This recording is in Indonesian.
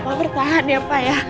kalau bertahan ya pak ya